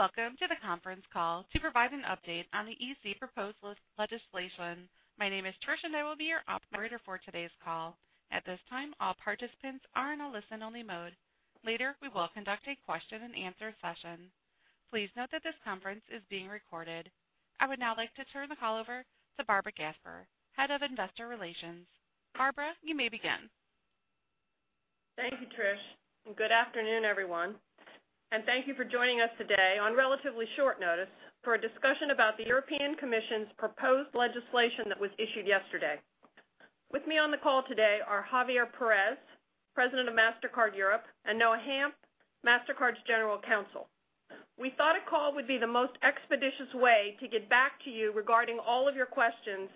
Welcome to the conference call to provide an update on the EC proposed legislation. My name is Trish, and I will be your operator for today's call. At this time, all participants are in a listen-only mode. Later, we will conduct a question and answer session. Please note that this conference is being recorded. I would now like to turn the call over to Barbara Gasper, Head of Investor Relations. Barbara, you may begin. Thank you, Trish, and good afternoon, everyone. Thank you for joining us today on relatively short notice for a discussion about the European Commission's proposed legislation that was issued yesterday. With me on the call today are Javier Pérez, President of Mastercard Europe, and Noah Hanft, Mastercard's General Counsel. We thought a call would be the most expeditious way to get back to you regarding all of your questions,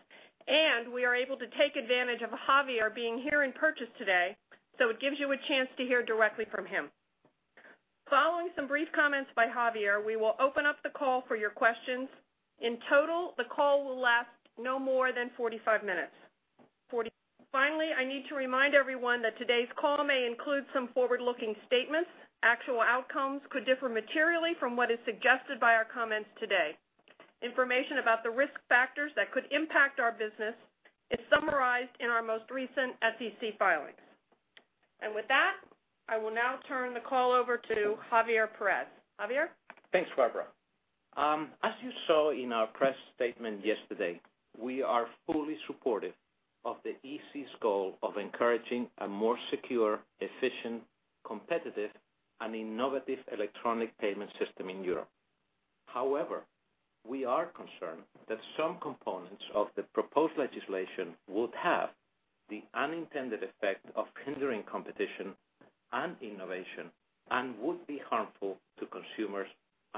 and we are able to take advantage of Javier being here in Purchase today, so it gives you a chance to hear directly from him. Following some brief comments by Javier, we will open up the call for your questions. In total, the call will last no more than 45 minutes. Finally, I need to remind everyone that today's call may include some forward-looking statements. Actual outcomes could differ materially from what is suggested by our comments today. Information about the risk factors that could impact our business is summarized in our most recent SEC filings. With that, I will now turn the call over to Javier Pérez. Javier? Thanks, Barbara. As you saw in our press statement yesterday, we are fully supportive of the EC's goal of encouraging a more secure, efficient, competitive, and innovative electronic payment system in Europe. However, we are concerned that some components of the proposed legislation would have the unintended effect of hindering competition and innovation and would be harmful to consumers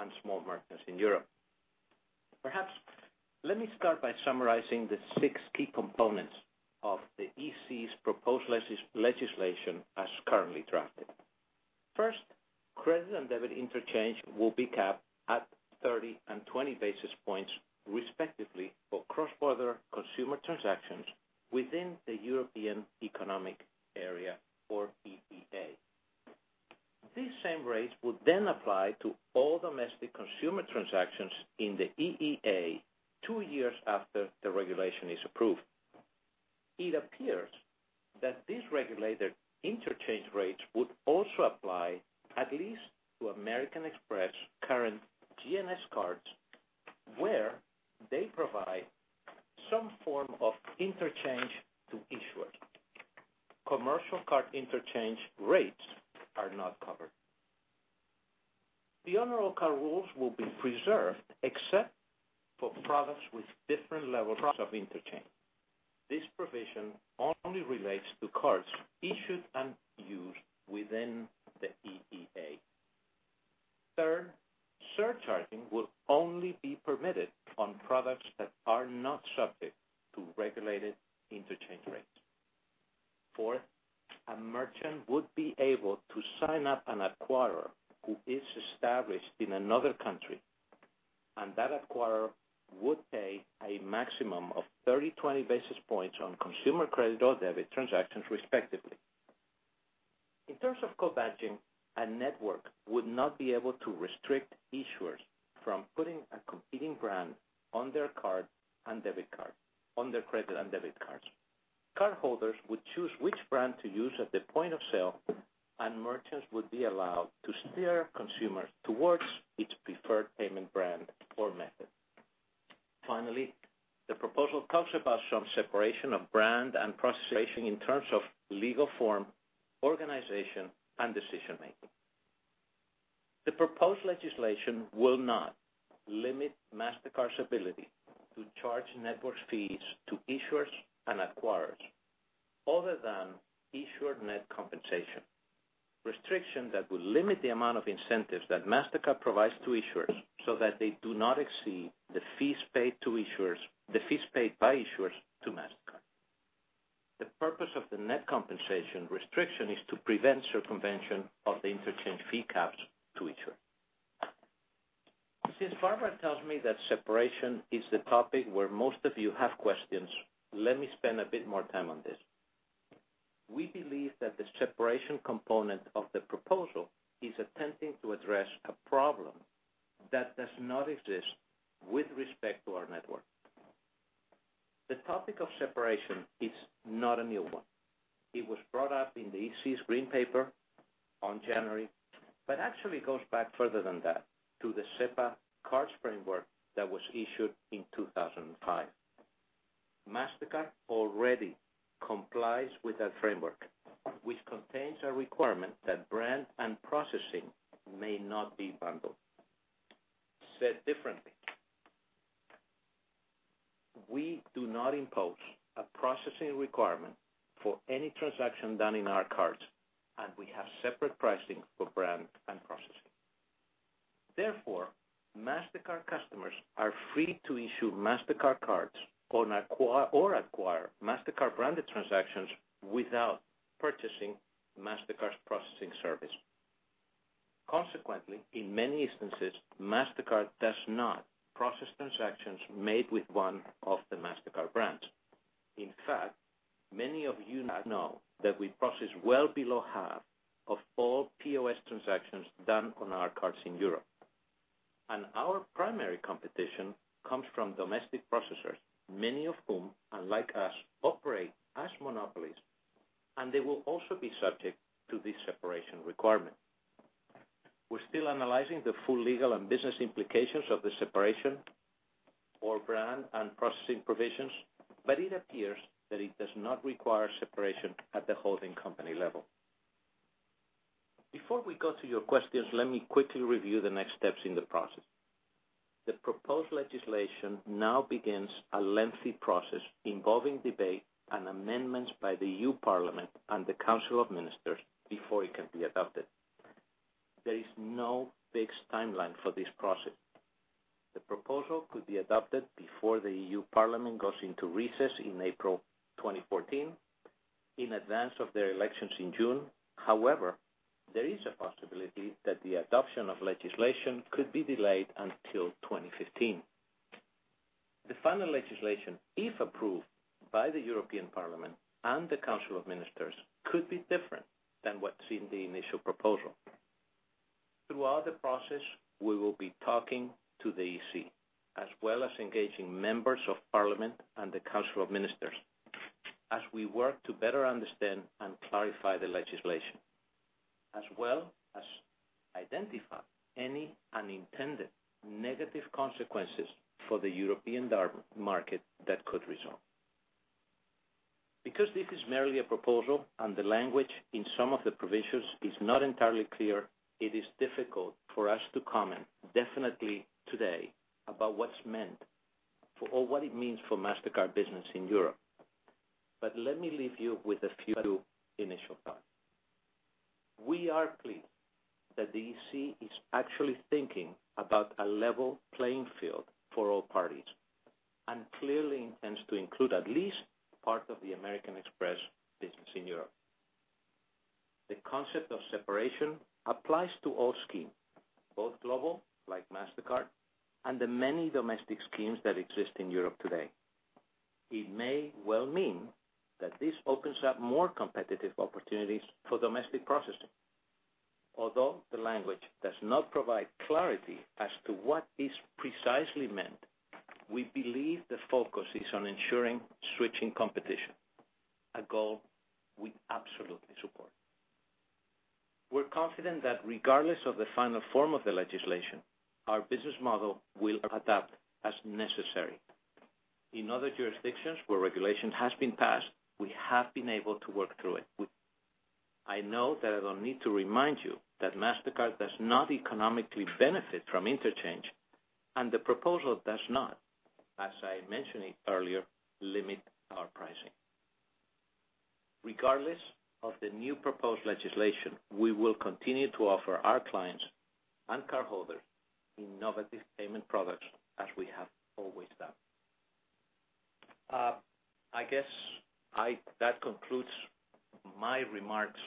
and small merchants in Europe. Perhaps let me start by summarizing the six key components of the EC's proposed legislation as currently drafted. First, credit and debit interchange will be capped at 30 and 20 basis points, respectively for cross-border consumer transactions within the European Economic Area or EEA. These same rates would then apply to all domestic consumer transactions in the EEA two years after the regulation is approved. It appears that these regulated interchange rates would also apply at least to American Express current GNS cards, where they provide some form of interchange to issuers. Commercial card interchange rates are not covered. The honorable card rules will be preserved except for products with different levels of interchange. This provision only relates to cards issued and used within the EEA. Third, surcharging will only be permitted on products that are not subject to regulated interchange rates. Fourth, a merchant would be able to sign up an acquirer who is established in another country, and that acquirer would pay a maximum of 30/20 basis points on consumer credit or debit transactions, respectively. In terms of co-badging, a network would not be able to restrict issuers from putting a competing brand on their credit and debit cards. Cardholders would choose which brand to use at the point of sale, and merchants would be allowed to steer consumers towards its preferred payment brand or method. Finally, the proposal talks about some separation of brand and processing in terms of legal form, organization, and decision-making. The proposed legislation will not limit Mastercard's ability to charge networks fees to issuers and acquirers other than issuer net compensation. Restriction that will limit the amount of incentives that Mastercard provides to issuers so that they do not exceed the fees paid by issuers to Mastercard. The purpose of the net compensation restriction is to prevent circumvention of the interchange fee caps to issuers. Since Barbara tells me that separation is the topic where most of you have questions, let me spend a bit more time on this. We believe that the separation component of the proposal is attempting to address a problem that does not exist with respect to our network. The topic of separation is not a new one. It was brought up in the EC's green paper on January, but actually goes back further than that to the SEPA Cards Framework that was issued in 2005. Mastercard already complies with that framework, which contains a requirement that brand and processing may not be bundled. Said differently, we do not impose a processing requirement for any transaction done in our cards, and we have separate pricing for brand and processing. Therefore, Mastercard customers are free to issue Mastercard cards or acquire Mastercard-branded transactions without purchasing Mastercard's processing service. Consequently, in many instances, Mastercard does not process transactions made with one of the Mastercard brands. In fact, many of you now know that we process well below half of all POS transactions done on our cards in Europe. Our primary competition comes from domestic processors, many of whom, unlike us, operate as monopolies, and they will also be subject to this separation requirement. We are still analyzing the full legal and business implications of the separation or brand and processing provisions, but it appears that it does not require separation at the holding company level. Before we go to your questions, let me quickly review the next steps in the process. The proposed legislation now begins a lengthy process involving debate and amendments by the European Parliament and the Council of Ministers before it can be adopted. There is no fixed timeline for this process. The proposal could be adopted before the European Parliament goes into recess in April 2014, in advance of their elections in June. There is a possibility that the adoption of legislation could be delayed until 2015. The final legislation, if approved by the European Parliament and the Council of Ministers, could be different than what's in the initial proposal. Throughout the process, we will be talking to the European Commission, as well as engaging members of Parliament and the Council of Ministers as we work to better understand and clarify the legislation, as well as identify any unintended negative consequences for the European market that could result. Because this is merely a proposal and the language in some of the provisions is not entirely clear, it is difficult for us to comment definitely today about what's meant or what it means for Mastercard business in Europe. Let me leave you with a few initial thoughts. We are pleased that the European Commission is actually thinking about a level playing field for all parties and clearly intends to include at least part of the American Express business in Europe. The concept of separation applies to all schemes, both global, like Mastercard, and the many domestic schemes that exist in Europe today. It may well mean that this opens up more competitive opportunities for domestic processing. Although the language does not provide clarity as to what is precisely meant, we believe the focus is on ensuring switching competition, a goal we absolutely support. We're confident that regardless of the final form of the legislation, our business model will adapt as necessary. In other jurisdictions where regulation has been passed, we have been able to work through it. I know that I don't need to remind you that Mastercard does not economically benefit from interchange. The proposal does not, as I mentioned it earlier, limit our pricing. Regardless of the new proposed legislation, we will continue to offer our clients and cardholders innovative payment products as we have always done. I guess that concludes my remarks.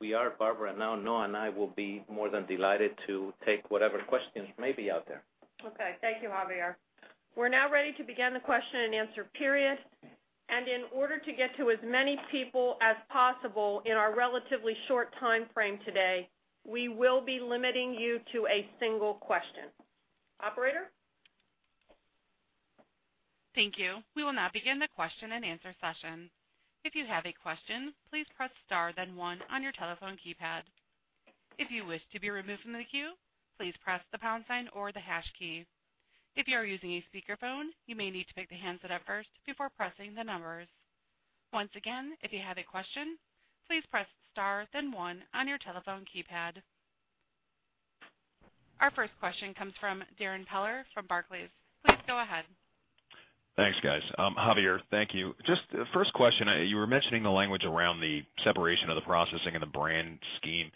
We are, Barbara, now Noah and I will be more than delighted to take whatever questions may be out there. Okay. Thank you, Javier. We're now ready to begin the question and answer period. In order to get to as many people as possible in our relatively short timeframe today, we will be limiting you to a single question. Operator? Thank you. We will now begin the question and answer session. If you have a question, please press star then one on your telephone keypad. If you wish to be removed from the queue, please press the pound sign or the hash key. If you are using a speakerphone, you may need to pick the handset up first before pressing the numbers. Once again, if you have a question, please press star then one on your telephone keypad. Our first question comes from Darrin Peller from Barclays. Please go ahead. Thanks, guys. Javier, thank you. Just first question, you were mentioning the language around the separation of the processing and the brand scheme.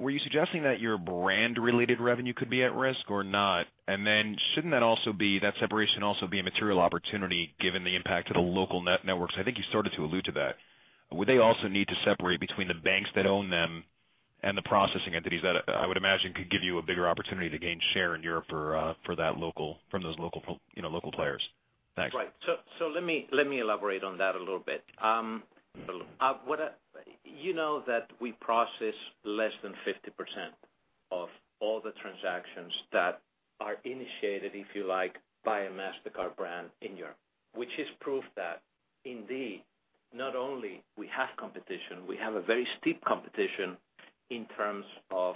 Were you suggesting that your brand-related revenue could be at risk or not? Shouldn't that separation also be a material opportunity given the impact to the local networks? I think you started to allude to that. Would they also need to separate between the banks that own them and the processing entities that, I would imagine, could give you a bigger opportunity to gain share in Europe from those local players? Thanks. Right. Let me elaborate on that a little bit. You know that we process less than 50% of all the transactions that are initiated, if you like, by a Mastercard brand in Europe, which is proof that indeed, not only we have competition, we have a very steep competition in terms of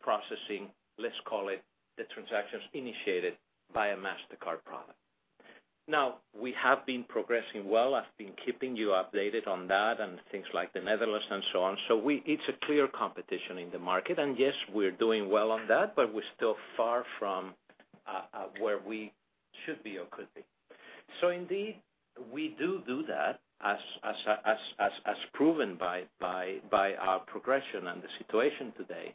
processing, let's call it, the transactions initiated by a Mastercard product. Now, we have been progressing well. I've been keeping you updated on that and things like the Netherlands and so on. It's a clear competition in the market. Yes, we're doing well on that, but we're still far from where we should be or could be. Indeed, we do that as proven by our progression and the situation today.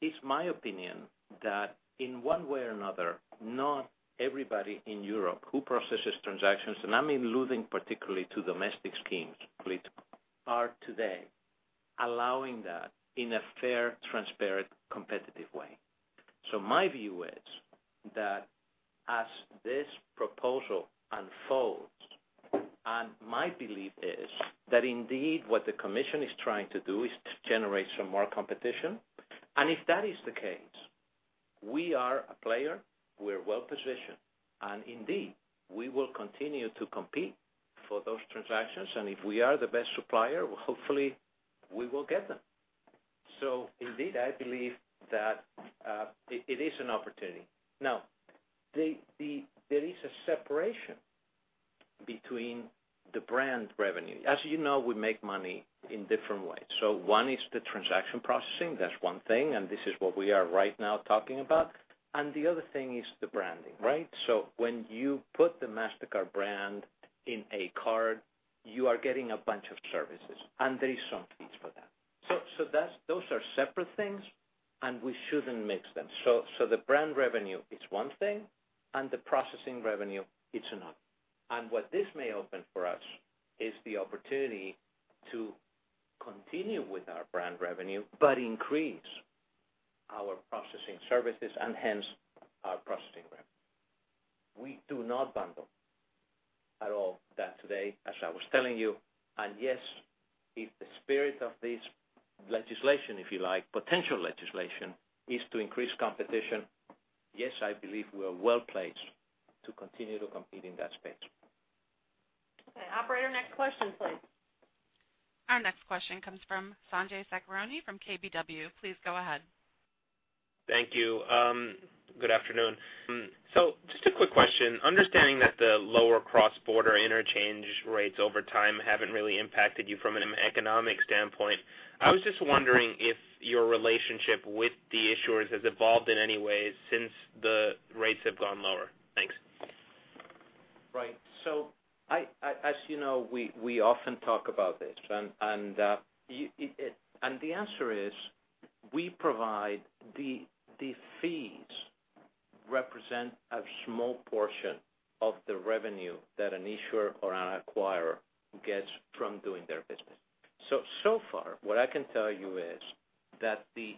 It's my opinion that in one way or another, not everybody in Europe who processes transactions, and I'm alluding particularly to domestic schemes, are today allowing that in a fair, transparent, competitive way. My view is that as this proposal unfolds, my belief is that indeed what the Commission is trying to do is to generate some more competition. If that is the case, we are a player, we're well-positioned, and indeed, we will continue to compete for those transactions. If we are the best supplier, hopefully, we will get them. Indeed, I believe that it is an opportunity. Now, there is a separation between the brand revenue. As you know, we make money in different ways. One is the transaction processing, that's one thing, and this is what we are right now talking about. The other thing is the branding, right? When you put the Mastercard brand in a card, you are getting a bunch of services, and there is some fees for that. Those are separate things, and we shouldn't mix them. The brand revenue is one thing, and the processing revenue, it's another. What this may open for us is the opportunity to continue with our brand revenue, but increase our processing services and hence our processing revenue. We do not bundle at all that today, as I was telling you. Yes, if the spirit of this legislation, if you like, potential legislation, is to increase competition, yes, I believe we are well-placed to continue to compete in that space. Okay. Operator, next question, please. Our next question comes from Sanjay Sakhrani from KBW. Please go ahead. Thank you. Good afternoon. Just a quick question. Understanding that the lower cross-border interchange rates over time haven't really impacted you from an economic standpoint, I was just wondering if your relationship with the issuers has evolved in any way since the rates have gone lower. Thanks. As you know, we often talk about this and the answer is, we provide the fees represent a small portion of the revenue that an issuer or an acquirer gets from doing their business. So far, what I can tell you is that the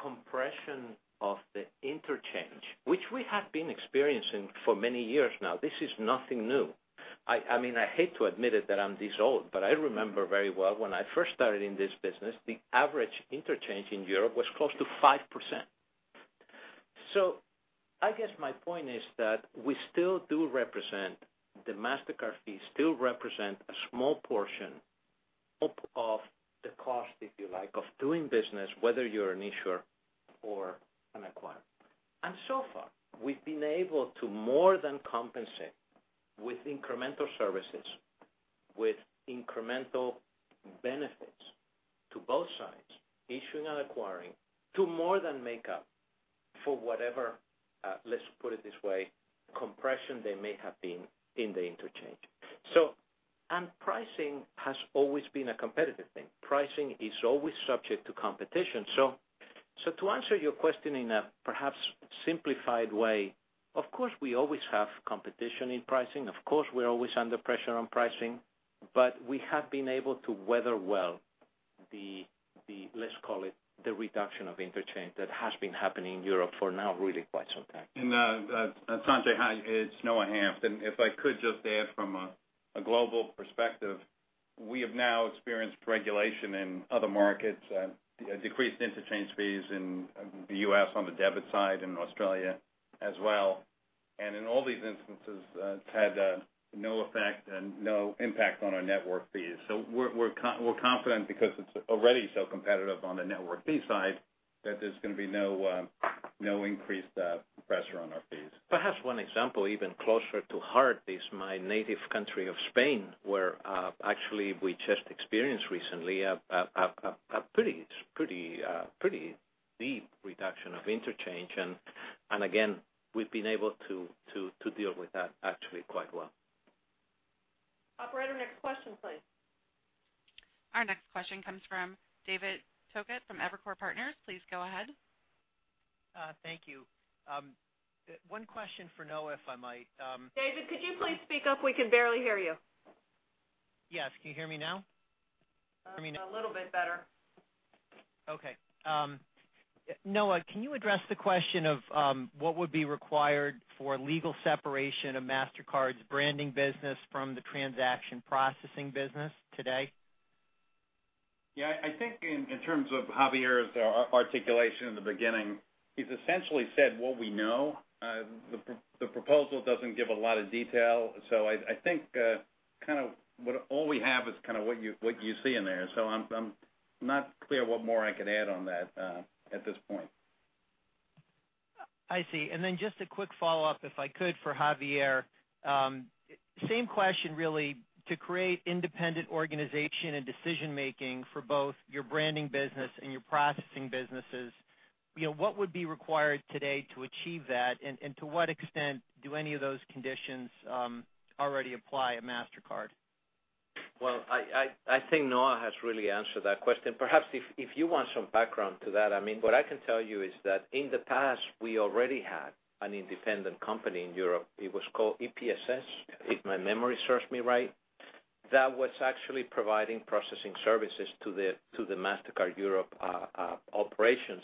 compression of the interchange, which we have been experiencing for many years now, this is nothing new. I hate to admit it that I'm this old, but I remember very well when I first started in this business, the average interchange in Europe was close to 5%. I guess my point is that we still do represent, the Mastercard fees still represent a small portion of the cost, if you like, of doing business, whether you're an issuer or an acquirer. So far, we've been able to more than compensate with incremental services, with incremental benefits to both sides, issuing and acquiring, to more than make up for whatever, let's put it this way, compression there may have been in the interchange. Pricing has always been a competitive thing. Pricing is always subject to competition. To answer your question in a perhaps simplified way, of course, we always have competition in pricing. Of course, we're always under pressure on pricing. We have been able to weather well the, let's call it, the reduction of interchange that has been happening in Europe for now really quite some time. Sanjay, hi, it's Noah Hanft. If I could just add from a global perspective, we have now experienced regulation in other markets, decreased interchange fees in the U.S. on the debit side, in Australia as well. In all these instances, it's had no effect and no impact on our network fees. We're confident because it's already so competitive on the network fee side that there's going to be no increased pressure on our fees. Perhaps one example even closer to heart is my native country of Spain, where actually we just experienced recently a pretty steep reduction of interchange. Again, we've been able to deal with that actually quite well. Operator, next question, please. Our next question comes from David Togut from Evercore. Please go ahead. Thank you. One question for Noah, if I might. David, could you please speak up? We can barely hear you. Yes. Can you hear me now? A little bit better. Okay. Noah, can you address the question of what would be required for legal separation of Mastercard's branding business from the transaction processing business today? Yeah. I think in terms of Javier's articulation in the beginning, he's essentially said what we know. The proposal doesn't give a lot of detail. I think all we have is what you see in there. I'm not clear what more I could add on that at this point. I see. Just a quick follow-up, if I could, for Javier. Same question, really. To create independent organization and decision-making for both your branding business and your processing businesses, what would be required today to achieve that? To what extent do any of those conditions already apply at Mastercard? Well, I think Noah has really answered that question. Perhaps if you want some background to that, what I can tell you is that in the past, we already had an independent company in Europe. It was called Europay, if my memory serves me right. That was actually providing processing services to the Mastercard Europe operations.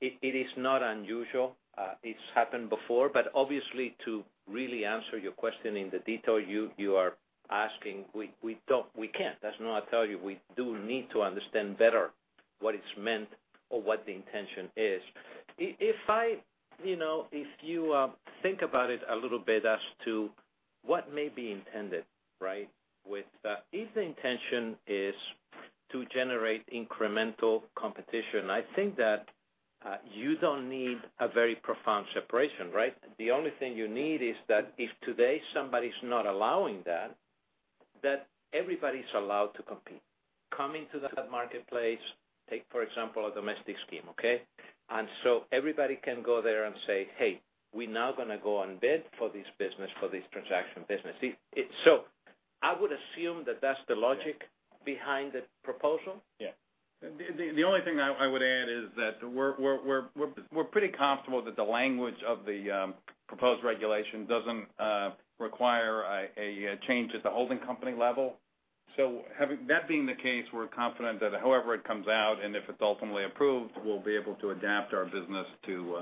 It is not unusual. It's happened before. Obviously, to really answer your question in the detail you are asking, we can't. That's when I tell you, we do need to understand better what is meant or what the intention is. If you think about it a little bit as to what may be intended, right? If the intention is to generate incremental competition, I think that you don't need a very profound separation, right? The only thing you need is that if today somebody's not allowing that everybody's allowed to compete. Come into that marketplace, take, for example, a domestic scheme, okay? Everybody can go there and say, "Hey, we now going to go and bid for this business, for this transaction business." I would assume that that's the logic behind the proposal. Yeah. The only thing I would add is that we're pretty comfortable that the language of the proposed regulation doesn't require a change at the holding company level. That being the case, we're confident that however it comes out, and if it's ultimately approved, we'll be able to adapt our business to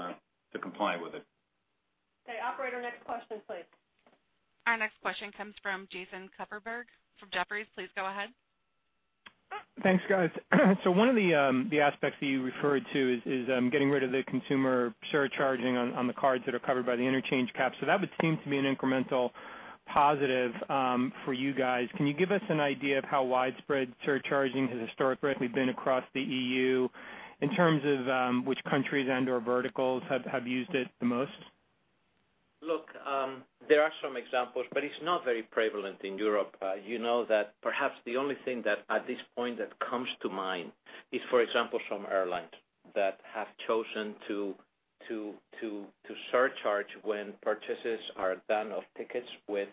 comply with it. Okay, operator, next question, please. Our next question comes from Jason Kupferberg from Jefferies. Please go ahead. Thanks, guys. One of the aspects that you referred to is getting rid of the consumer surcharging on the cards that are covered by the interchange cap. That would seem to be an incremental positive for you guys. Can you give us an idea of how widespread surcharging has historically been across the EU in terms of which countries and/or verticals have used it the most? Look, there are some examples, but it's not very prevalent in Europe. You know that perhaps the only thing that at this point that comes to mind is, for example, some airlines that have chosen to surcharge when purchases are done of tickets with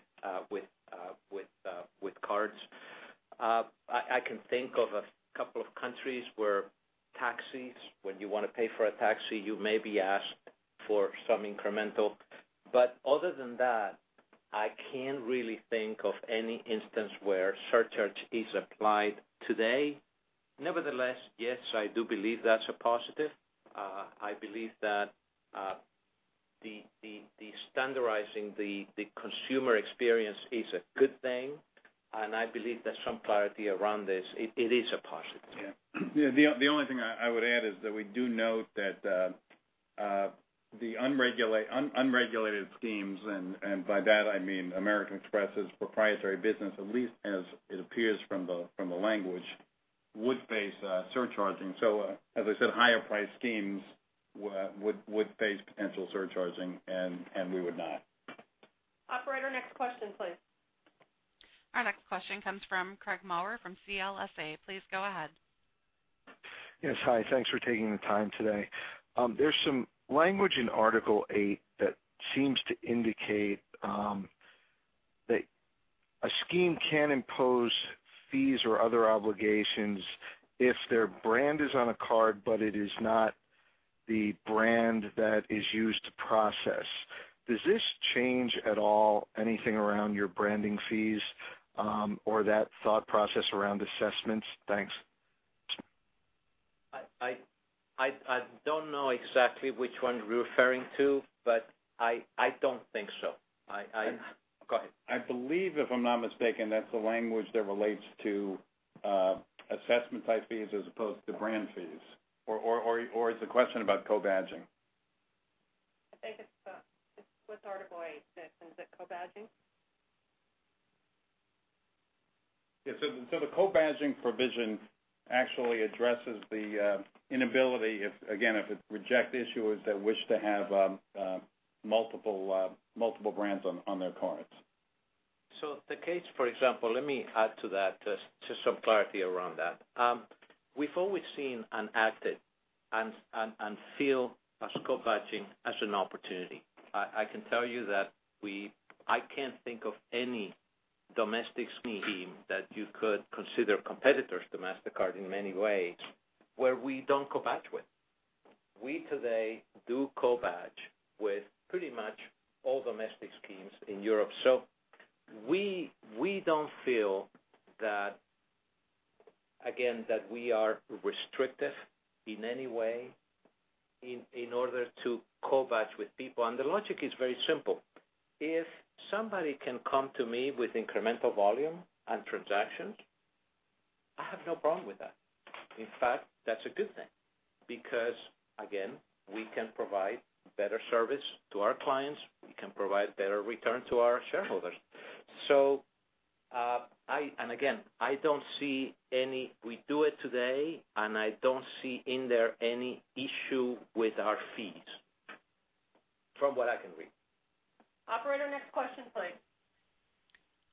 cards. I can think of a couple of countries where taxis, when you want to pay for a taxi, you may be asked for some incremental. Other than that, I can't really think of any instance where surcharge is applied today. Nevertheless, yes, I do believe that's a positive. I believe that the standardizing the consumer experience is a good thing, I believe that some clarity around this, it is a positive. Yeah. The only thing I would add is that we do note that the unregulated schemes, by that I mean American Express's proprietary business, at least as it appears from the language, would face surcharging. As I said, higher priced schemes would face potential surcharging, we would not. Operator, next question, please. Our next question comes from Craig Maurer from CLSA. Please go ahead. Yes, hi. Thanks for taking the time today. There's some language in Article 8 that seems to indicate that a scheme can impose fees or other obligations if their brand is on a card but it is not the brand that is used to process. Does this change at all anything around your branding fees or that thought process around assessments? Thanks. I don't know exactly which one you're referring to, but I don't think so. Go ahead. I believe, if I'm not mistaken, that's the language that relates to assessment type fees as opposed to brand fees. Is the question about co-badging? I think it's with Article 8, is it co-badging? The co-badging provision actually addresses the inability, again, if it's reject issuers that wish to have multiple brands on their cards. The case, for example, let me add to that, just some clarity around that. We've always seen and acted and feel as co-badging as an opportunity. I can tell you that I can't think of any domestic scheme that you could consider competitors to Mastercard in many ways where we don't co-badge with. We today do co-badge with pretty much all domestic schemes in Europe. We don't feel, again, that we are restrictive in any way in order to co-badge with people. The logic is very simple. If somebody can come to me with incremental volume and transactions, I have no problem with that. In fact, that's a good thing because, again, we can provide better service to our clients. We can provide better return to our shareholders. Again, we do it today, and I don't see in there any issue with our fees from what I can read. Operator, next question, please.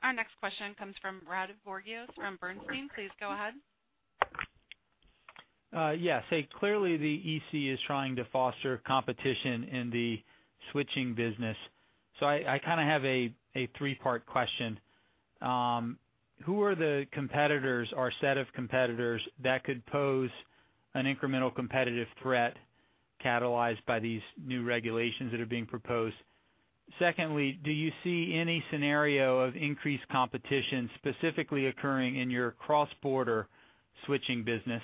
Our next question comes from Brad Voorhees from Bernstein. Please go ahead. Yes. Hey, clearly the EC is trying to foster competition in the switching business. I kind of have a three-part question. Who are the competitors or set of competitors that could pose an incremental competitive threat? Catalyzed by these new regulations that are being proposed. Secondly, do you see any scenario of increased competition, specifically occurring in your cross-border switching business?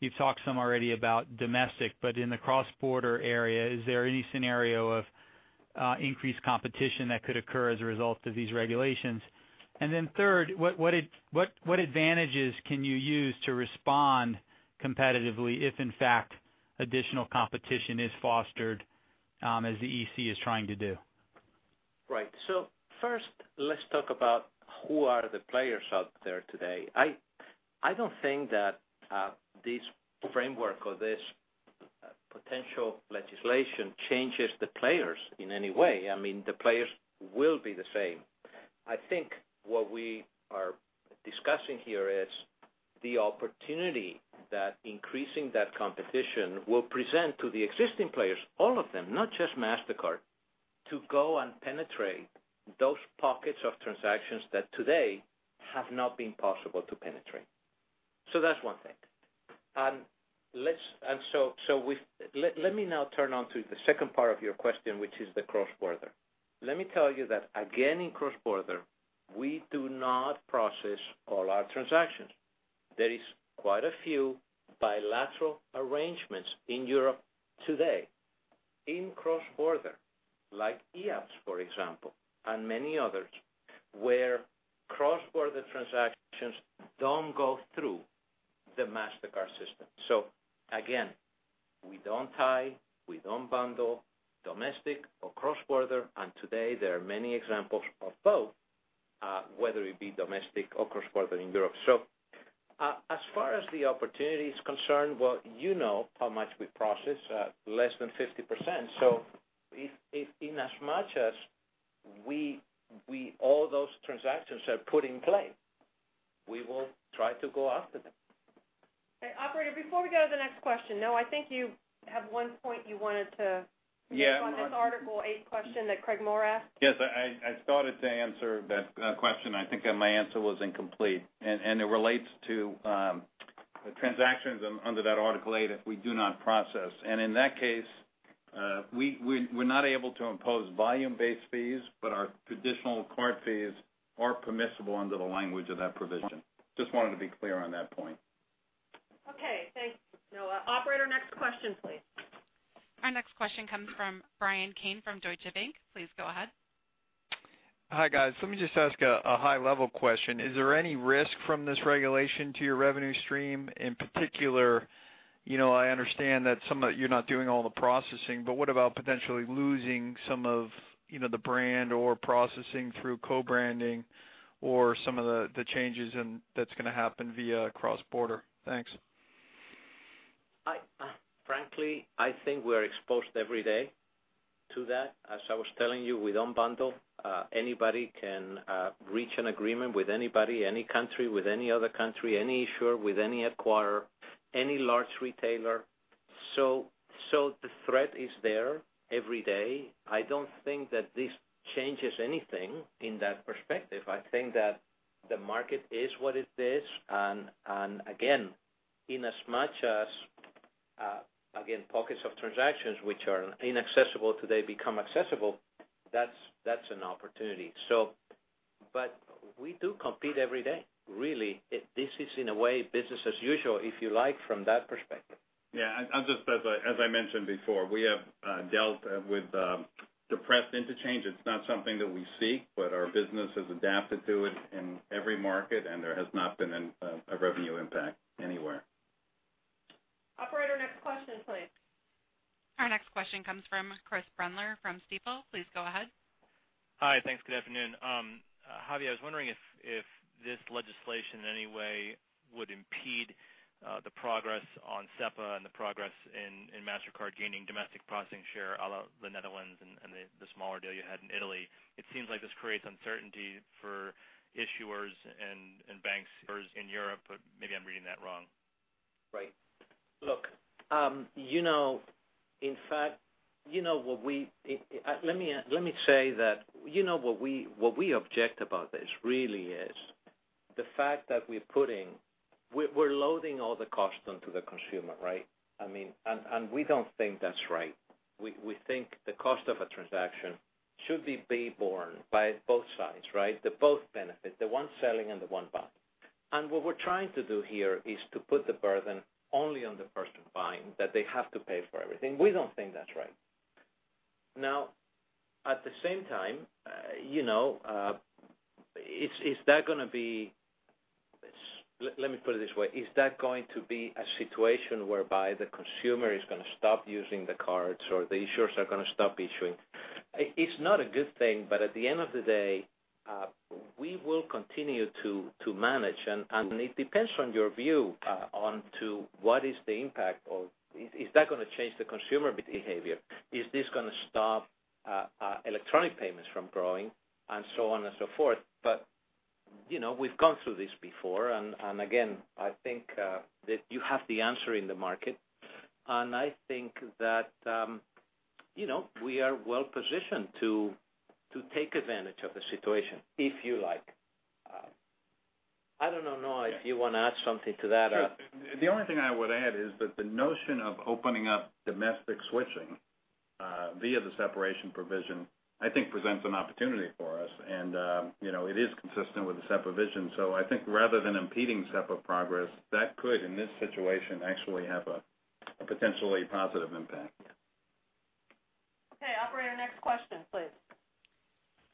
You've talked some already about domestic, but in the cross-border area, is there any scenario of increased competition that could occur as a result of these regulations? Third, what advantages can you use to respond competitively if in fact additional competition is fostered as the EC is trying to do? Right. First, let's talk about who are the players out there today. I don't think that this framework or this potential legislation changes the players in any way. I mean, the players will be the same. I think what we are discussing here is the opportunity that increasing that competition will present to the existing players, all of them, not just Mastercard, to go and penetrate those pockets of transactions that today have not been possible to penetrate. That's one thing. Let me now turn on to the second part of your question, which is the cross-border. Let me tell you that again, in cross-border, we do not process all our transactions. There is quite a few bilateral arrangements in Europe today in cross-border, like EAPS, for example, and many others, where cross-border transactions don't go through the Mastercard system. Again, we don't tie, we don't bundle domestic or cross-border. Today there are many examples of both, whether it be domestic or cross-border in Europe. As far as the opportunity is concerned, well, you know how much we process, less than 50%. Inasmuch as all those transactions are put in play, we will try to go after them. Okay, operator, before we go to the next question, Noah, I think you have one point you wanted to. Yeah make on this Article 8 question that Craig Maurer asked. Yes, I started to answer that question. I think my answer was incomplete. It relates to the transactions under that Article 8, if we do not process. In that case, we're not able to impose volume-based fees, but our traditional card fees are permissible under the language of that provision. Just wanted to be clear on that point. Okay, thanks, Noah. Operator, next question, please. Our next question comes from Bryan Keane from Deutsche Bank. Please go ahead. Hi, guys. Let me just ask a high-level question. Is there any risk from this regulation to your revenue stream? In particular, I understand that you're not doing all the processing, but what about potentially losing some of either the brand or processing through co-badging or some of the changes that's going to happen via cross-border? Thanks. Frankly, I think we are exposed every day to that. As I was telling you, we don't bundle. Anybody can reach an agreement with anybody, any country, with any other country, any issuer, with any acquirer, any large retailer. The threat is there every day. I don't think that this changes anything in that perspective. I think that the market is what it is, and again, inasmuch as, again, pockets of transactions which are inaccessible today become accessible, that's an opportunity. We do compete every day. Really, this is, in a way, business as usual, if you like, from that perspective. Yeah, as I mentioned before, we have dealt with depressed interchange. It's not something that we seek, but our business has adapted to it in every market, and there has not been a revenue impact anywhere. Operator, next question, please. Our next question comes from Chris Brendler from Stifel. Please go ahead. Hi. Thanks. Good afternoon. Javier, I was wondering if this legislation in any way would impede the progress on SEPA and the progress in Mastercard gaining domestic processing share a la the Netherlands and the smaller deal you had in Italy. It seems like this creates uncertainty for issuers and banks in Europe, maybe I'm reading that wrong. Right. Look, let me say that what we object about this really is the fact that we're loading all the cost onto the consumer, right? We don't think that's right. We think the cost of a transaction should be borne by both sides, right? They both benefit, the one selling and the one buying. What we're trying to do here is to put the burden only on the person buying, that they have to pay for everything. We don't think that's right. Now, at the same time, let me put it this way. Is that going to be a situation whereby the consumer is going to stop using the cards or the issuers are going to stop issuing? It's not a good thing, but at the end of the day, we will continue to manage. It depends on your view onto what is the impact or is that going to change the consumer behavior? Is this going to stop electronic payments from growing and so on and so forth. We've gone through this before, and again, I think that you have the answer in the market. I think that we are well-positioned to take advantage of the situation, if you like I don't know, Noah, if you want to add something to that or. Sure. The only thing I would add is that the notion of opening up domestic switching via the separation provision, I think, presents an opportunity for us. It is consistent with the SEPA vision. I think rather than impeding SEPA progress, that could, in this situation, actually have a potentially positive impact. Yeah. Okay, operator, next question, please.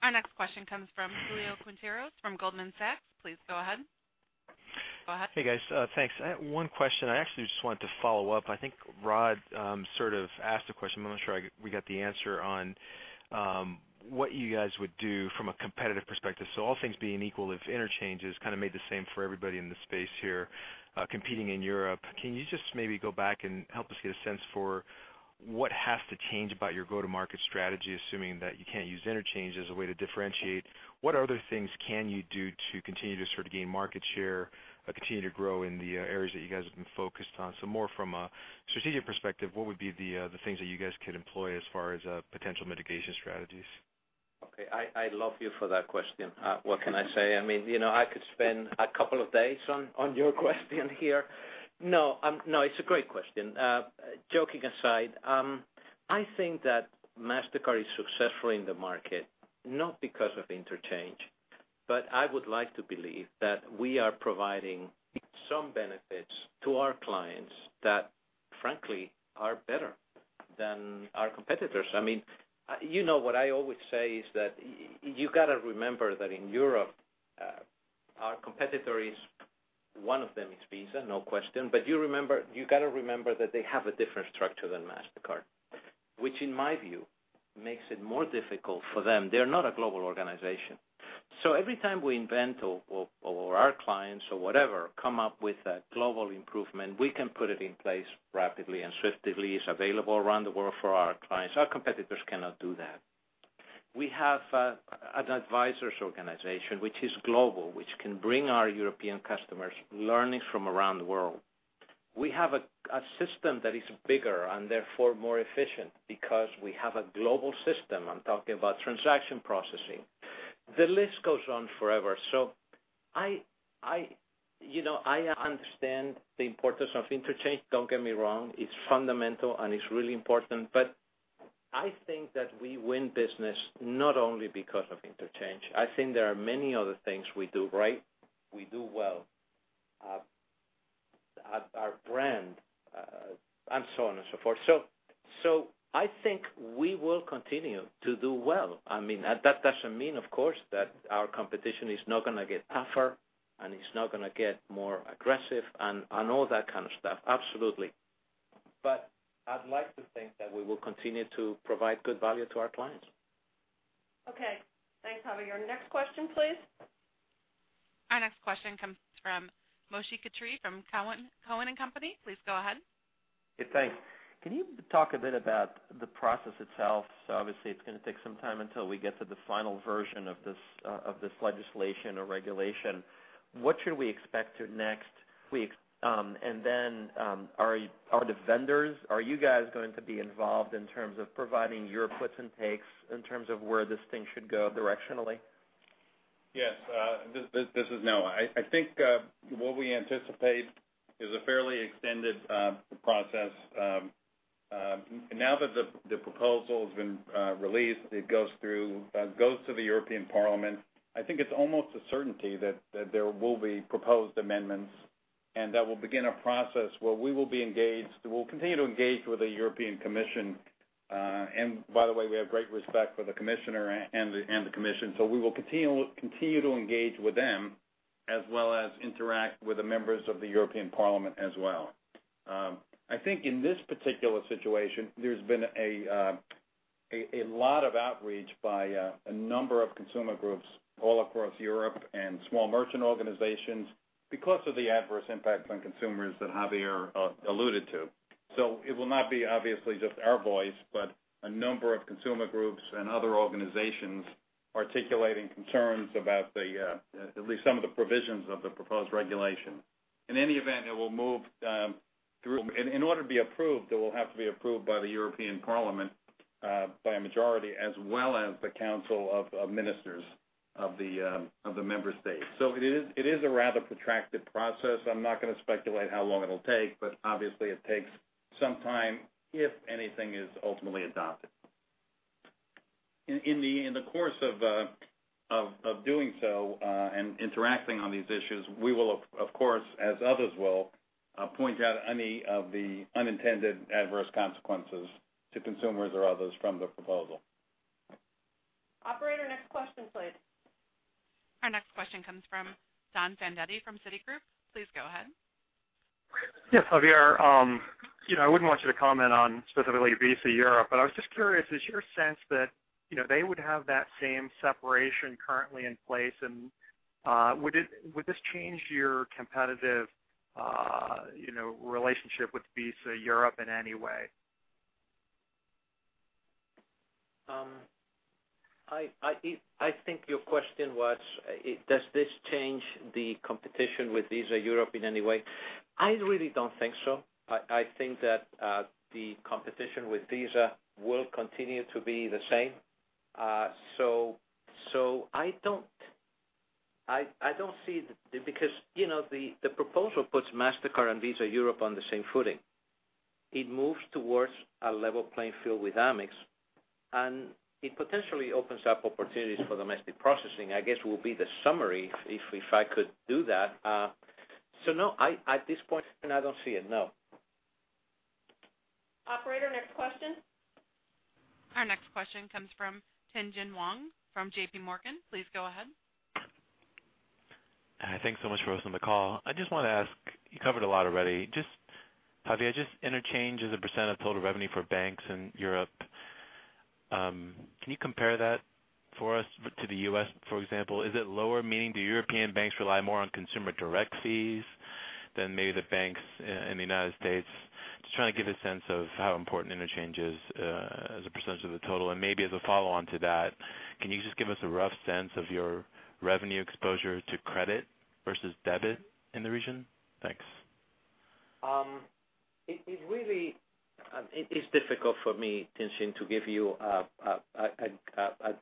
Our next question comes from Julio Quinteros from Goldman Sachs. Please go ahead. Go ahead. Hey, guys. Thanks. I had one question. I actually just wanted to follow up. I think Brad sort of asked a question, but I'm not sure we got the answer on what you guys would do from a competitive perspective. All things being equal, if interchange has kind of made the same for everybody in the space here competing in Europe, can you just maybe go back and help us get a sense for what has to change about your go-to-market strategy, assuming that you can't use interchange as a way to differentiate? What other things can you do to continue to sort of gain market share, continue to grow in the areas that you guys have been focused on? More from a strategic perspective, what would be the things that you guys could employ as far as potential mitigation strategies? Okay. I love you for that question. What can I say? I could spend a couple of days on your question here. No, it's a great question. Joking aside, I think that Mastercard is successful in the market not because of interchange, but I would like to believe that we are providing some benefits to our clients that, frankly, are better than our competitors. You know what I always say is that you got to remember that in Europe our competitor is, one of them is Visa, no question. You got to remember that they have a different structure than Mastercard, which in my view makes it more difficult for them. They're not a global organization. Every time we invent or our clients or whatever come up with a global improvement, we can put it in place rapidly and swiftly. It's available around the world for our clients. Our competitors cannot do that. We have an advisors organization, which is global, which can bring our European customers learnings from around the world. We have a system that is bigger and therefore more efficient because we have a global system. I'm talking about transaction processing. The list goes on forever. I understand the importance of interchange. Don't get me wrong. It's fundamental, and it's really important. I think that we win business not only because of interchange. I think there are many other things we do right, we do well, our brand and so on and so forth. I think we will continue to do well. That doesn't mean, of course, that our competition is not going to get tougher and is not going to get more aggressive and all that kind of stuff. Absolutely. I'd like to think that we will continue to provide good value to our clients. Okay. Thanks, Javier. Next question, please. Our next question comes from Moshe Katri from Cowen and Company. Please go ahead. Thanks. Can you talk a bit about the process itself? Obviously, it's going to take some time until we get to the final version of this legislation or regulation. What should we expect to next week? Are the vendors, are you guys going to be involved in terms of providing your puts and takes in terms of where this thing should go directionally? Yes. This is Noah. I think what we anticipate is a fairly extended process. Now that the proposal's been released, it goes to the European Parliament. I think it's almost a certainty that there will be proposed amendments, and that will begin a process where we will be engaged. We'll continue to engage with the European Commission. By the way, we have great respect for the commissioner and the commission. We will continue to engage with them, as well as interact with the members of the European Parliament as well. I think in this particular situation, there's been a lot of outreach by a number of consumer groups all across Europe and small merchant organizations because of the adverse impact on consumers that Javier alluded to. It will not be obviously just our voice, but a number of consumer groups and other organizations articulating concerns about at least some of the provisions of the proposed regulation. In any event, in order to be approved, it will have to be approved by the European Parliament by a majority as well as the Council of Ministers of the member states. It is a rather protracted process. I'm not going to speculate how long it'll take, but obviously it takes some time if anything is ultimately adopted. In the course of doing so and interacting on these issues, we will, of course, as others will, point out any of the unintended adverse consequences to consumers or others from the proposal. Operator, next question, please. Our next question comes from Donald Fandetti from Citigroup. Please go ahead. Yes, Javier, I wouldn't want you to comment on specifically Visa Europe, but I was just curious, is your sense that they would have that same separation currently in place and would this change your competitive relationship with Visa Europe in any way? I think your question was does this change the competition with Visa Europe in any way? I really don't think so. I think that the competition with Visa will continue to be the same I don't see Because the proposal puts Mastercard and Visa Europe on the same footing. It moves towards a level playing field with Amex, it potentially opens up opportunities for domestic processing, I guess, will be the summary, if I could do that. No, at this point in time, I don't see it, no. Operator, next question. Our next question comes from Tien-tsin Huang from J.P. Morgan. Please go ahead. Thanks so much for hosting the call. I just want to ask, you covered a lot already. Javier, just interchange as a % of total revenue for banks in Europe, can you compare that for us to the U.S., for example? Is it lower? Meaning, do European banks rely more on consumer direct fees than maybe the banks in the U.S.? Just trying to give a sense of how important interchange is as a % of the total. Maybe as a follow-on to that, can you just give us a rough sense of your revenue exposure to credit versus debit in the region? Thanks. It's difficult for me, Tien-tsin, to give you a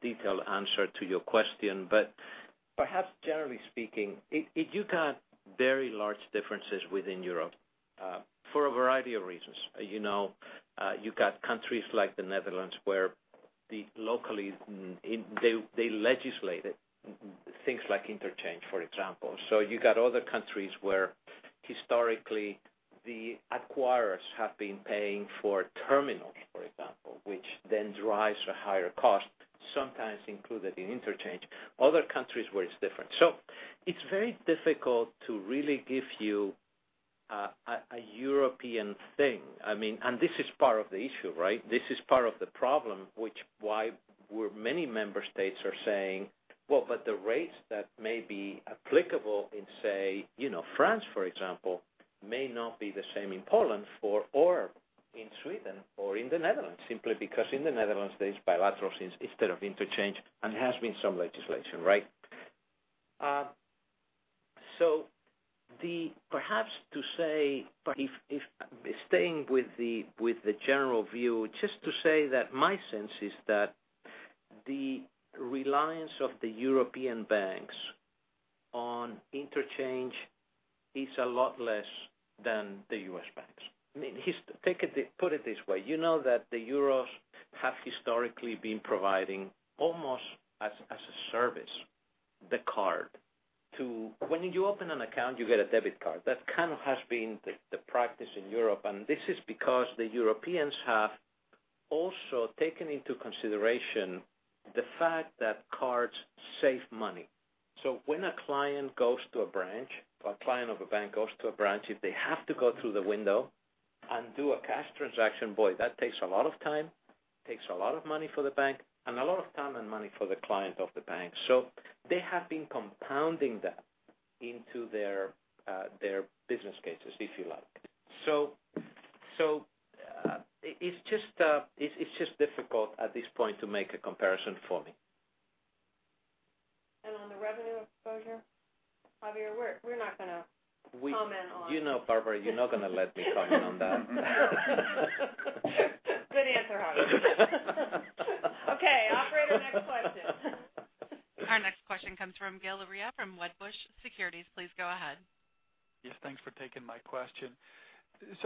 detailed answer to your question. Perhaps generally speaking, you've got very large differences within Europe, for a variety of reasons. You've got countries like the Netherlands where locally they legislate it, things like interchange, for example. You've got other countries where historically the acquirers have been paying for terminals, for example, which then drives a higher cost, sometimes included in interchange. Other countries where it's different. It's very difficult to really give you a European thing. This is part of the issue, right? This is part of the problem, which why where many member states are saying, the rates that may be applicable in, say, France, for example, may not be the same in Poland or in Sweden or in the Netherlands, simply because in the Netherlands there's bilaterals instead of interchange, and there has been some legislation, right? Perhaps staying with the general view, just to say that my sense is that the reliance of the European banks on interchange is a lot less than the U.S. banks. Put it this way. You know that the Euros have historically been providing almost as a service, the card. When you open an account, you get a debit card. That kind of has been the practice in Europe, and this is because the Europeans have also taken into consideration the fact that cards save money. When a client of a bank goes to a branch, if they have to go through the window and do a cash transaction, boy, that takes a lot of time, takes a lot of money for the bank, and a lot of time and money for the client of the bank. They have been compounding that into their business cases, if you like. It's just difficult at this point to make a comparison for me. On the revenue exposure? Javier. You know, Barbara, you're not going to let me comment on that. Good answer, Javier. Okay, Operator, next question. Our next question comes from Gil Luria from Wedbush Securities. Please go ahead. Yes, thanks for taking my question.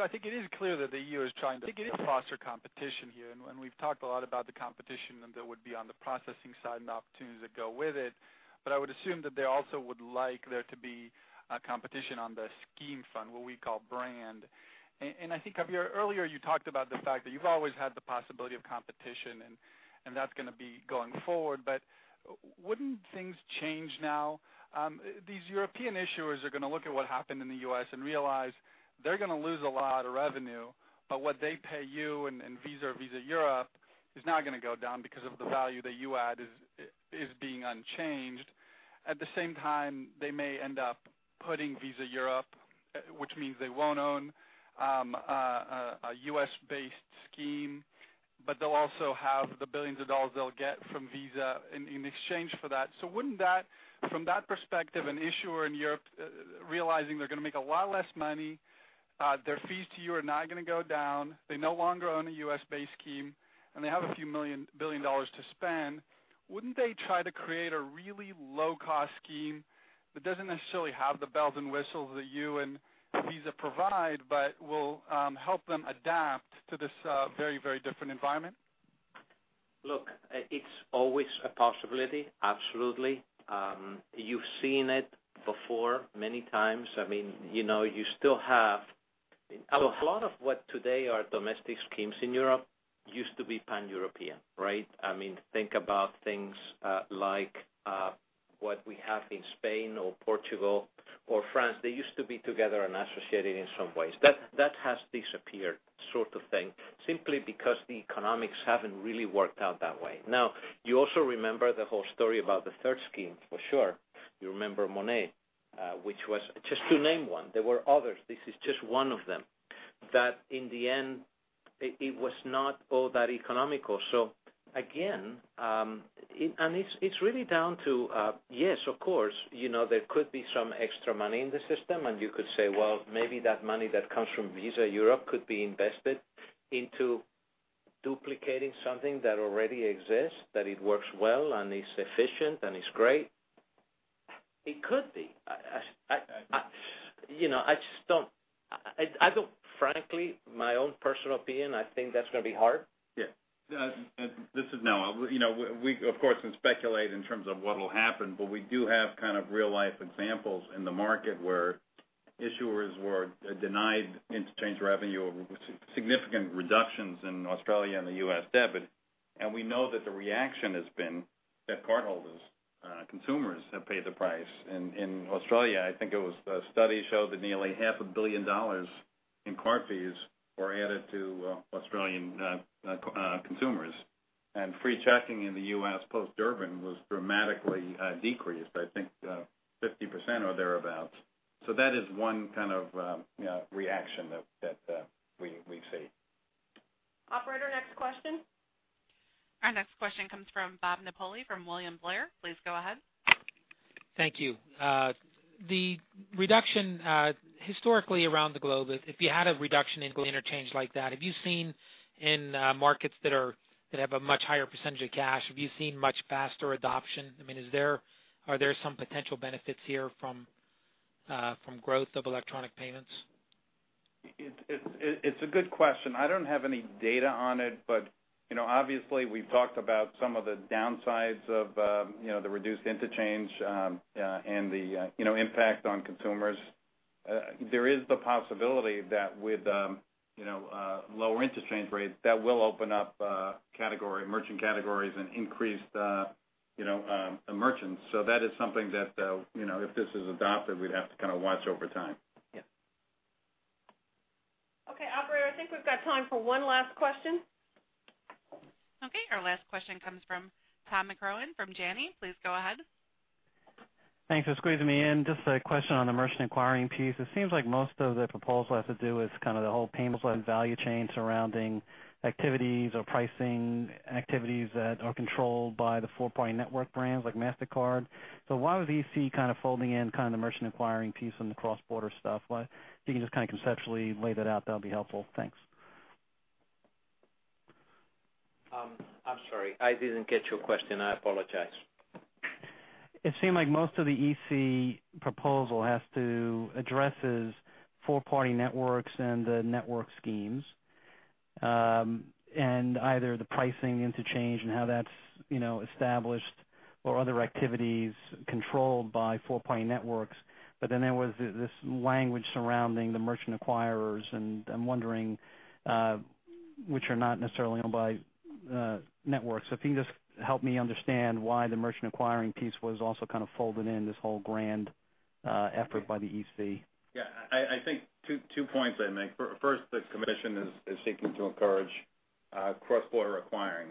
I think it is clear that the EU is trying to foster competition here, and we've talked a lot about the competition that would be on the processing side and the opportunities that go with it. I would assume that they also would like there to be a competition on the scheme front, what we call brand. I think, Javier, earlier you talked about the fact that you've always had the possibility of competition and that's going to be going forward. Wouldn't things change now? These European issuers are going to look at what happened in the U.S. and realize they're going to lose a lot of revenue. What they pay you and Visa or Visa Europe is not going to go down because of the value that you add is being unchanged. At the same time, they may end up putting Visa Europe, which means they won't own a U.S.-based scheme, but they'll also have the billions of dollars they'll get from Visa in exchange for that. From that perspective, an issuer in Europe realizing they're going to make a lot less money, their fees to you are not going to go down. They no longer own a U.S.-based scheme, and they have a few billion dollars to spend. Wouldn't they try to create a really low-cost scheme that doesn't necessarily have the bells and whistles that you and Visa provide, but will help them adapt to this very different environment? Look, it's always a possibility. Absolutely. You've seen it before many times. A lot of what today are domestic schemes in Europe used to be pan-European, right? Think about things like what we have in Spain or Portugal or France. They used to be together and associated in some ways. That has disappeared, sort of thing, simply because the economics haven't really worked out that way. You also remember the whole story about the third scheme, for sure. You remember Monnet, just to name one. There were others. This is just one of them. That in the end it was not all that economical. Again, and it's really down to yes, of course, there could be some extra money in the system and you could say, well, maybe that money that comes from Visa Europe could be invested into duplicating something that already exists, that it works well and is efficient and is great. It could be. I think, frankly, my own personal opinion, I think that's going to be hard. This is Noah. We, of course, can speculate in terms of what will happen, but we do have kind of real-life examples in the market where issuers were denied interchange revenue or significant reductions in Australia and the U.S. debit. We know that the reaction has been that cardholders, consumers have paid the price. In Australia, I think it was a study showed that nearly half a billion dollars in card fees were added to Australian consumers, and free checking in the U.S., post-Durbin, was dramatically decreased, I think, 50% or thereabout. That is one kind of reaction that we see. Operator, next question. Our next question comes from Bob Napoli from William Blair. Please go ahead. Thank you. The reduction historically around the globe, if you had a reduction in interchange like that, have you seen in markets that have a much higher percentage of cash, have you seen much faster adoption? I mean, are there some potential benefits here from growth of electronic payments? It's a good question. I don't have any data on it. Obviously, we've talked about some of the downsides of the reduced interchange and the impact on consumers. There is the possibility that with lower interchange rates, that will open up merchant categories and increase the merchants. That is something that if this is adopted, we'd have to kind of watch over time. Yeah. Okay, operator, I think we've got time for one last question. Okay, our last question comes from Tom McCrohan from Janney. Please go ahead. Thanks for squeezing me in. Just a question on the merchant acquiring piece. It seems like most of the proposal has to do with kind of the whole payments and value chain surrounding activities or pricing activities that are controlled by the four-party network brands like Mastercard. Why would EC kind of folding in kind of the merchant acquiring piece on the cross-border stuff? If you can just conceptually lay that out, that'd be helpful. Thanks. I'm sorry. I didn't get your question. I apologize. It seemed like most of the EC proposal addresses four-party networks and the network schemes. Either the pricing interchange and how that's established or other activities controlled by four-party networks. There was this language surrounding the merchant acquirers, and I'm wondering which are not necessarily owned by networks. If you can just help me understand why the merchant acquiring piece was also kind of folded in this whole grand effort by the EC. I think two points I'd make. First, the commission is seeking to encourage cross-border acquiring,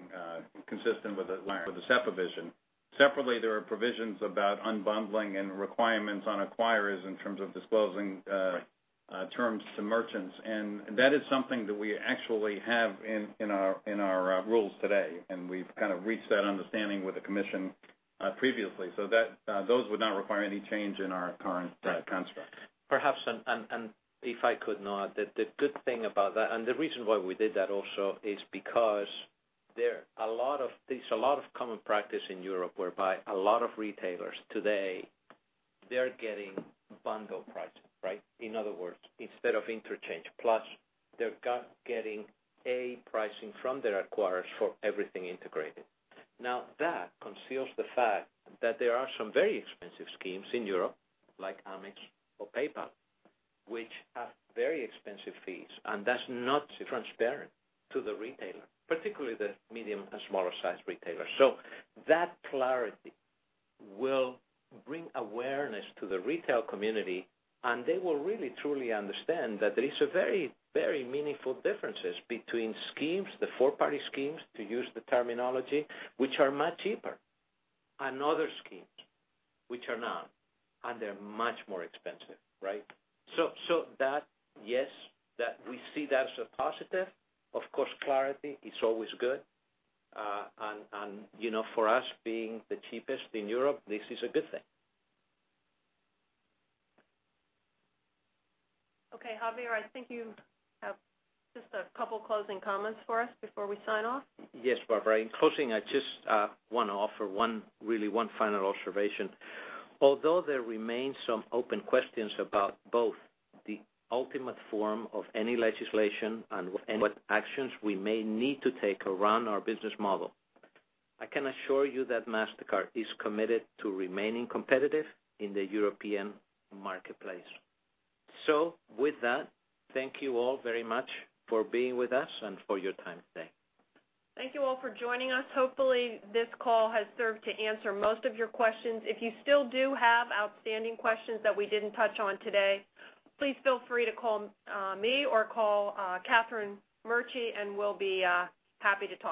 consistent with the SEPA vision. Separately, there are provisions about unbundling and requirements on acquirers in terms of disclosing terms to merchants, and that is something that we actually have in our rules today, and we've kind of reached that understanding with the commission previously. Those would not require any change in our current construct. Perhaps, if I could, Noah, the good thing about that, and the reason why we did that also, is because there's a lot of common practice in Europe whereby a lot of retailers today, they're getting bundle pricing. In other words, instead of interchange plus, they're getting a pricing from their acquirers for everything integrated. That conceals the fact that there are some very expensive schemes in Europe, like Amex or PayPal, which have very expensive fees, and that's not transparent to the retailer, particularly the medium and smaller-sized retailers. That clarity will bring awareness to the retail community, and they will really, truly understand that there is a very meaningful differences between schemes, the four-party schemes, to use the terminology, which are much cheaper, and other schemes which are not, and they're much more expensive. That, yes, we see that as a positive. Of course, clarity is always good. For us, being the cheapest in Europe, this is a good thing. Okay, Javier, I think you have just a couple closing comments for us before we sign off? Yes, Barbara. In closing, I just want to offer really one final observation. Although there remains some open questions about both the ultimate form of any legislation and what actions we may need to take around our business model, I can assure you that Mastercard is committed to remaining competitive in the European marketplace. With that, thank you all very much for being with us and for your time today. Thank you all for joining us. Hopefully, this call has served to answer most of your questions. If you still do have outstanding questions that we didn't touch on today, please feel free to call me or call Catherine Murchie, and we'll be happy to talk